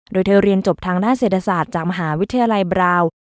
โดยเธอเรียนจบทางด้านเศรษฐศาสตร์จากมหาวิทยาลัยบราว